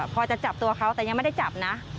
พอจะจับตัวเขาแต่ยังไม่ได้จับนะ